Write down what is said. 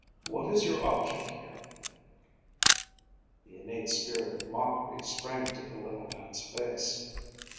"What is your object here?" The innate spirit of mockery sprang to the little man's face.